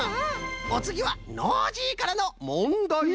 おつぎはノージーからのもんだいです。